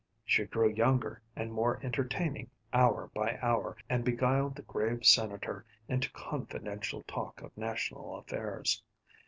She grew younger and more entertaining hour by hour, and beguiled the grave Senator into confidential talk of national affairs.